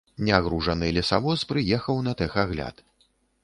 Нягружаны лесавоз прыехаў на тэхагляд.